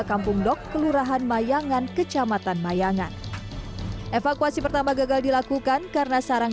kampung dok kelurahan mayangan kecamatan mayangan evakuasi pertama gagal dilakukan karena sarang